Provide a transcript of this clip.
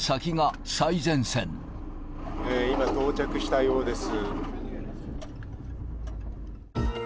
今、到着したようです。